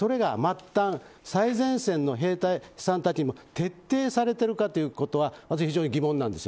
しかし、それが末端の最前線の兵隊さんたちに徹底されているかということが疑問なんです。